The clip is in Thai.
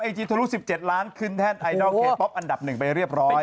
ไอจีทลุดสิบเจ็ดล้อนขึ้นแทนไอดอลแฮกป๊อบอันดับหนึ่งไปเรียบร้อย